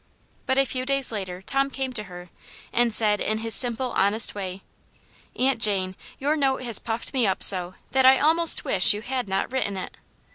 But a few days later Tom came to her, and said in his simple, honest way, "Aunt Jane, your note has puffed me up so, that I almost wish you had not written it."